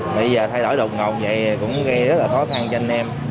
bây giờ thay đổi đột ngột vậy cũng gây rất là khó khăn cho anh em